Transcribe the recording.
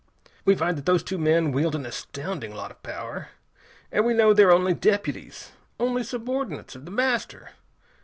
We find that those two men wield an astounding lot of power, and we know they're only deputies, only subordinates of the Master.